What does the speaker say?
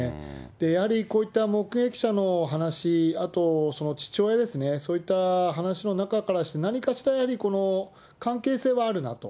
やはりこういった目撃者の話、あと父親ですね、そういった話の中からして、何かしらに関係性はあるなと。